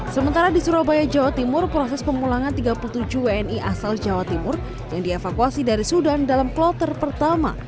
sementara di surabaya jawa timur proses pemulangan tiga puluh tujuh wni asal jawa timur yang dievakuasi dari sudan dalam kloter pertama